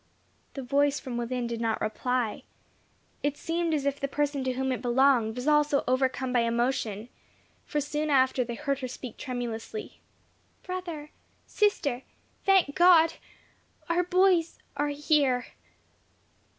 The voice from within did not reply. It seemed as if the person to whom it belonged was also overcome by emotion; for soon after they heard her speak tremulously, "Brother! Sister! Thank God our boys are here!"